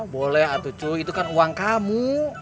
boleh itu kan uang kamu